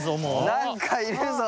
何かいるぞ。